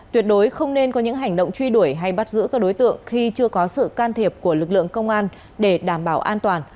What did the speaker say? tuyệt đối không nên có những hành động truy đuổi hay bắt giữ các đối tượng khi chưa có sự can thiệp của lực lượng công an